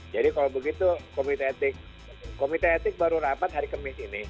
jadi kalau begitu komite etik baru rapat hari kemis ini